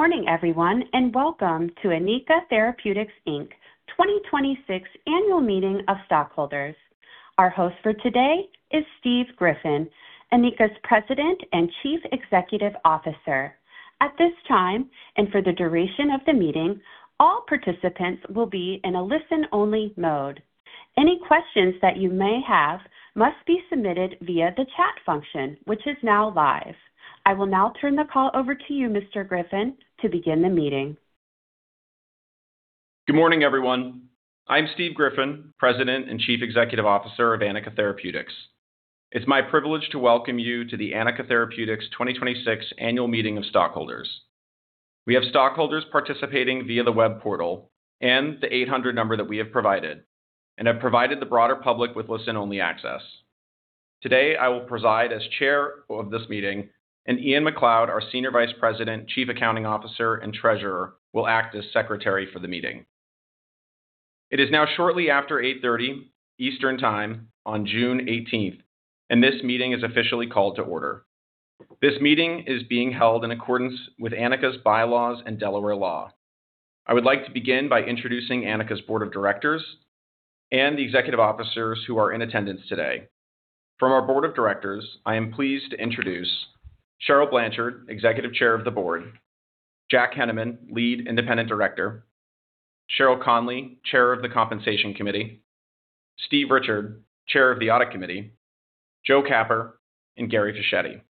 Morning everyone, welcome to Anika Therapeutics, Inc. 2026 Annual Meeting of Stockholders. Our host for today is Stephen Griffin, Anika's President and Chief Executive Officer. At this time, for the duration of the meeting, all participants will be in a listen-only mode. Any questions that you may have must be submitted via the chat function, which is now live. I will now turn the call over to you, Mr. Griffin, to begin the meeting. Good morning, everyone. I'm Stephen Griffin, President and Chief Executive Officer of Anika Therapeutics. It's my privilege to welcome you to the Anika Therapeutics 2026 Annual Meeting of Stockholders. We have stockholders participating via the web portal and the 800 number that we have provided and have provided the broader public with listen-only access. Today, I will preside as Chair of this meeting. Ian McLeod, our Senior Vice President, Chief Accounting Officer, and Treasurer, will act as Secretary for the meeting. It is now shortly after 8:30 A.M. Eastern Time on June 18th. This meeting is officially called to order. This meeting is being held in accordance with Anika's bylaws and Delaware law. I would like to begin by introducing Anika's Board of Directors and the Executive Officers who are in attendance today. From our Board of Directors, I am pleased to introduce Cheryl Blanchard, Executive Chair of the Board, Jack Henneman, Lead Independent Director, Sheryl Conley, Chair of the Compensation Committee, Stephen Richard, Chair of the Audit Committee, Joe Capper, and Gary Fischetti.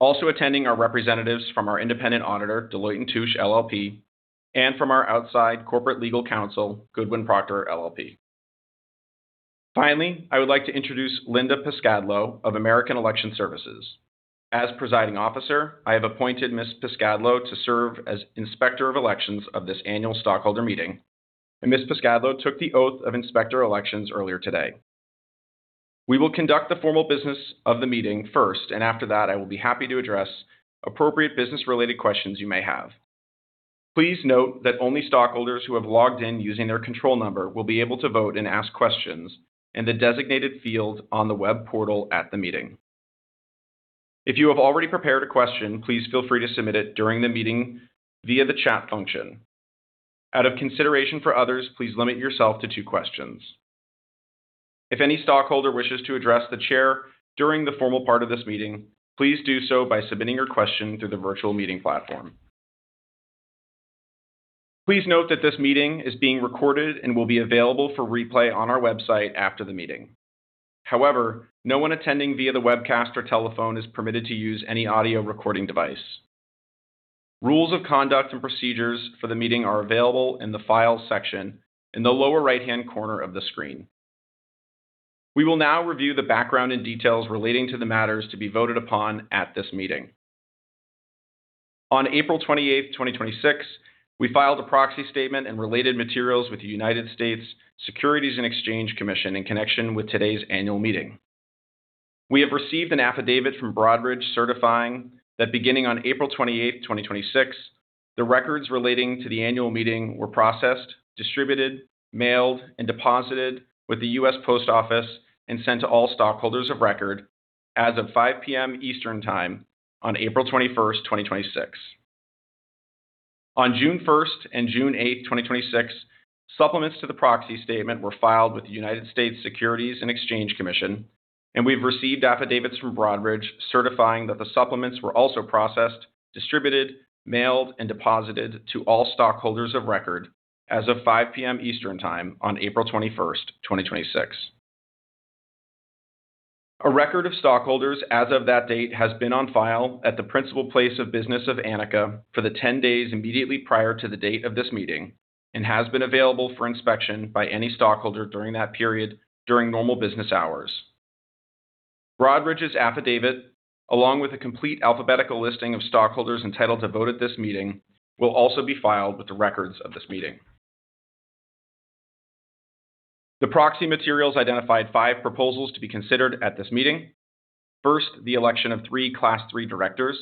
Also attending are representatives from our independent auditor, Deloitte & Touche LLP, and from our outside corporate legal counsel, Goodwin Procter LLP. Finally, I would like to introduce Linda Piscadlo of American Election Services. As Presiding Officer, I have appointed Ms. Piscadlo to serve as Inspector of Elections of this annual stockholder meeting. Ms. Piscadlo took the oath of Inspector of Elections earlier today. We will conduct the formal business of the meeting first. After that, I will be happy to address appropriate business-related questions you may have. Please note that only stockholders who have logged in using their control number will be able to vote and ask questions in the designated field on the web portal at the meeting. If you have already prepared a question, please feel free to submit it during the meeting via the chat function. Out of consideration for others, please limit yourself to two questions. If any stockholder wishes to address the Chair during the formal part of this meeting, please do so by submitting your question through the virtual meeting platform. Please note that this meeting is being recorded and will be available for replay on our website after the meeting. However, no one attending via the webcast or telephone is permitted to use any audio recording device. Rules of conduct and procedures for the meeting are available in the Files section in the lower right-hand corner of the screen. We will now review the background and details relating to the matters to be voted upon at this meeting. On April 28th, 2026, we filed a proxy statement and related materials with the US Securities and Exchange Commission in connection with today's annual meeting. We have received an affidavit from Broadridge certifying that beginning on April 28th, 2026, the records relating to the annual meeting were processed, distributed, mailed, and deposited with the US Post Office and sent to all stockholders of record as of 5:00 P.M. Eastern Time on April 21st, 2026. On June 1st and June 8th, 2026, supplements to the proxy statement were filed with the US Securities and Exchange Commission, and we've received affidavits from Broadridge certifying that the supplements were also processed, distributed, mailed, and deposited to all stockholders of record as of 5:00 P.M. Eastern Time on April 21st, 2026. A record of stockholders as of that date has been on file at the principal place of business of Anika for the 10 days immediately prior to the date of this meeting and has been available for inspection by any stockholder during that period during normal business hours. Broadridge's affidavit, along with a complete alphabetical listing of stockholders entitled to vote at this meeting, will also be filed with the records of this meeting. The proxy materials identified five proposals to be considered at this meeting. First, the election of three Class III directors.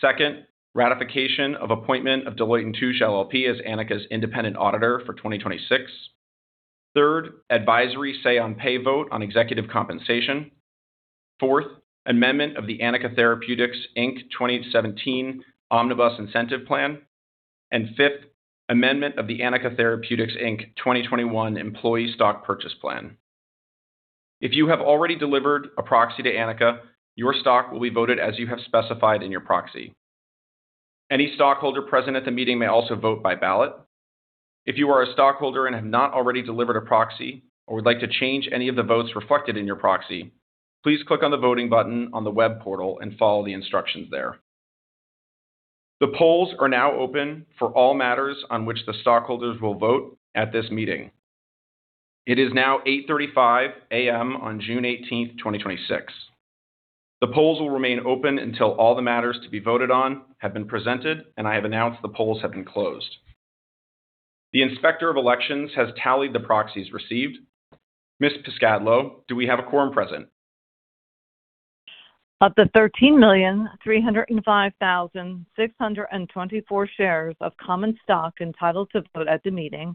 Second, ratification of appointment of Deloitte & Touche LLP as Anika's independent auditor for 2026. Third, advisory say on pay vote on executive compensation. Fourth, amendment of the Anika Therapeutics, Inc. 2017 Omnibus Incentive Plan. Fifth, amendment of the Anika Therapeutics, Inc. 2021 Employee Stock Purchase Plan. If you have already delivered a proxy to Anika, your stock will be voted as you have specified in your proxy. Any stockholder present at the meeting may also vote by ballot. If you are a stockholder and have not already delivered a proxy or would like to change any of the votes reflected in your proxy, please click on the voting button on the web portal and follow the instructions there. The polls are now open for all matters on which the stockholders will vote at this meeting. It is now 8:35 A.M. on June 18th, 2026. The polls will remain open until all the matters to be voted on have been presented, and I have announced the polls have been closed. The Inspector of Elections has tallied the proxies received. Ms. Piscadlo, do we have a quorum present? Of the 13,305,624 shares of common stock entitled to vote at the meeting,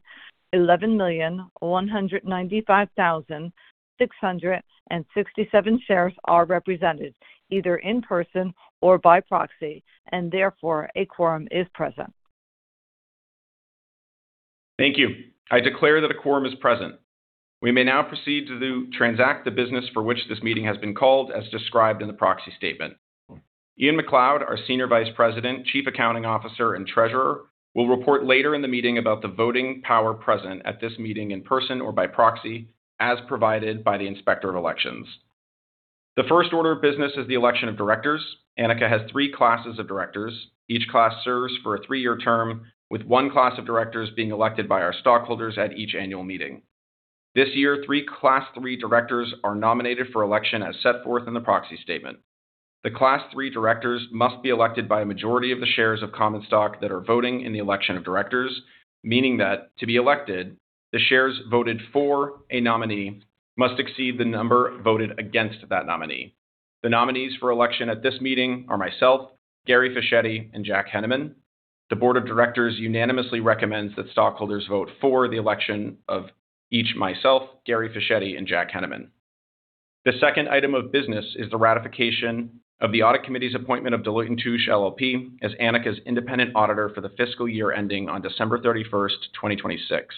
11,195,667 shares are represented, either in person or by proxy, and therefore, a quorum is present. Thank you. I declare that a quorum is present. We may now proceed to transact the business for which this meeting has been called, as described in the proxy statement. Ian McLeod, our senior vice president, chief accounting officer, and treasurer, will report later in the meeting about the voting power present at this meeting in person or by proxy, as provided by the Inspector of Elections. The first order of business is the election of directors. Anika has three classes of directors. Each class serves for a three-year term, with one class of directors being elected by our stockholders at each annual meeting. This year, three Class III directors are nominated for election as set forth in the proxy statement. The Class III directors must be elected by a majority of the shares of common stock that are voting in the election of directors, meaning that to be elected, the shares voted for a nominee must exceed the number voted against that nominee. The nominees for election at this meeting are myself, Gary Fischetti, and Jack Henneman. The board of directors unanimously recommends that stockholders vote for the election of each, myself, Gary Fischetti, and Jack Henneman. The second item of business is the ratification of the audit committee's appointment of Deloitte & Touche LLP as Anika's independent auditor for the fiscal year ending on December 31st, 2026.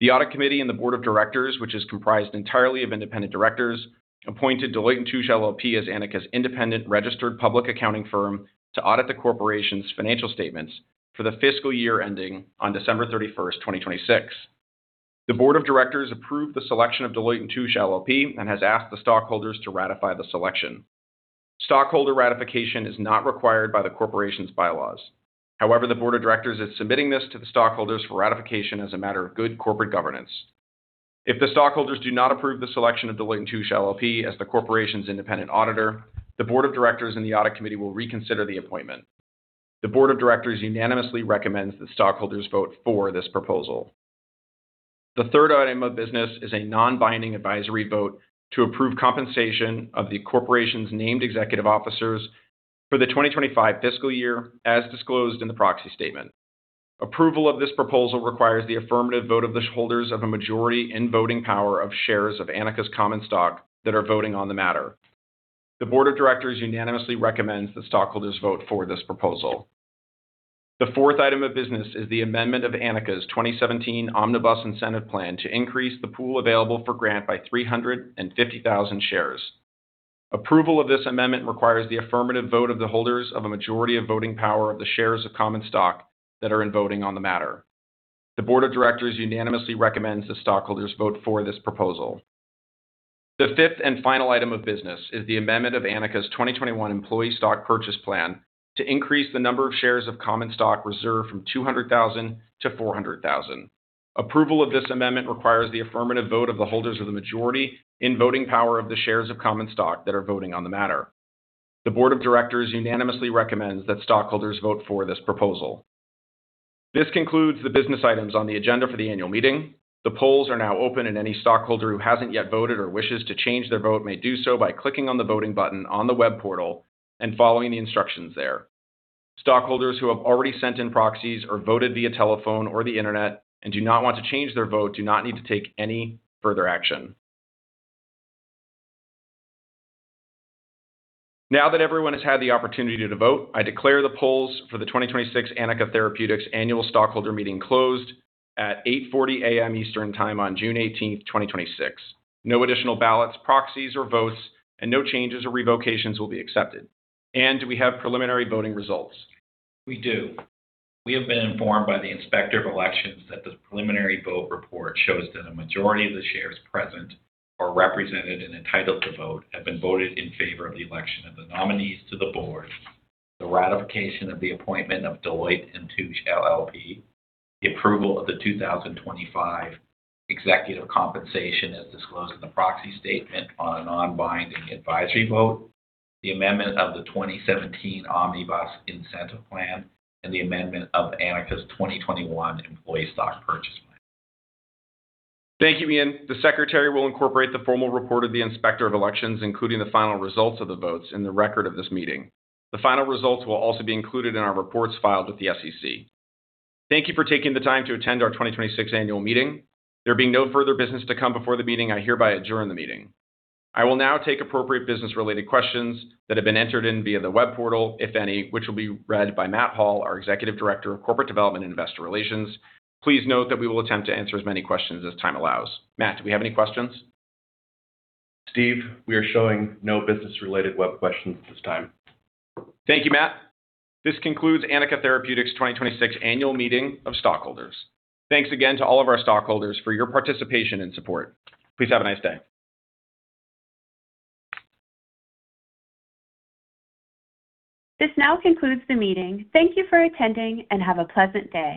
The audit committee and the board of directors, which is comprised entirely of independent directors, appointed Deloitte & Touche LLP as Anika's independent registered public accounting firm to audit the corporation's financial statements for the fiscal year ending on December 31st, 2026. The board of directors approved the selection of Deloitte & Touche LLP and has asked the stockholders to ratify the selection. Stockholder ratification is not required by the corporation's bylaws. However, the board of directors is submitting this to the stockholders for ratification as a matter of good corporate governance. If the stockholders do not approve the selection of Deloitte & Touche LLP as the corporation's independent auditor, the board of directors and the audit committee will reconsider the appointment. The board of directors unanimously recommends that stockholders vote for this proposal. The third item of business is a non-binding advisory vote to approve compensation of the corporation's named executive officers for the 2025 fiscal year, as disclosed in the proxy statement. Approval of this proposal requires the affirmative vote of the holders of a majority in voting power of shares of Anika's common stock that are voting on the matter. The board of directors unanimously recommends that stockholders vote for this proposal. The fourth item of business is the amendment of Anika's 2017 Omnibus Incentive Plan to increase the pool available for grant by 350,000 shares. Approval of this amendment requires the affirmative vote of the holders of a majority of voting power of the shares of common stock that are in voting on the matter. The board of directors unanimously recommends that stockholders vote for this proposal. The fifth and final item of business is the amendment of Anika's 2021 Employee Stock Purchase Plan to increase the number of shares of common stock reserved from 200,000 to 400,000. Approval of this amendment requires the affirmative vote of the holders of the majority in voting power of the shares of common stock that are voting on the matter. The board of directors unanimously recommends that stockholders vote for this proposal. This concludes the business items on the agenda for the annual meeting. The polls are now open, and any stockholder who hasn't yet voted or wishes to change their vote may do so by clicking on the voting button on the web portal and following the instructions there. Stockholders who have already sent in proxies or voted via telephone or the internet and do not want to change their vote do not need to take any further action. Now that everyone has had the opportunity to vote, I declare the polls for the 2026 Anika Therapeutics Annual Stockholder Meeting closed at 8:40 A.M. Eastern Time on June 18th, 2026. No additional ballots, proxies, or votes, and no changes or revocations will be accepted. Do we have preliminary voting results? We do. We have been informed by the Inspector of Elections that the preliminary vote report shows that a majority of the shares present or represented and entitled to vote have been voted in favor of the election of the nominees to the board, the ratification of the appointment of Deloitte & Touche LLP, the approval of the 2025 executive compensation as disclosed in the proxy statement on a non-binding advisory vote, the amendment of the 2017 Omnibus Incentive Plan, and the amendment of Anika's 2021 Employee Stock Purchase Plan. Thank you, Ian. The secretary will incorporate the formal report of the Inspector of Elections, including the final results of the votes, in the record of this meeting. The final results will also be included in our reports filed with the SEC. Thank you for taking the time to attend our 2026 annual meeting. There being no further business to come before the meeting, I hereby adjourn the meeting. I will now take appropriate business-related questions that have been entered in via the web portal, if any, which will be read by Matt Hall, our Executive Director of Corporate Development and Investor Relations. Please note that we will attempt to answer as many questions as time allows. Matt, do we have any questions? Steve, we are showing no business-related web questions at this time. Thank you, Matt. This concludes Anika Therapeutics 2026 Annual Meeting of Stockholders. Thanks again to all of our stockholders for your participation and support. Please have a nice day. This now concludes the meeting. Thank you for attending and have a pleasant day.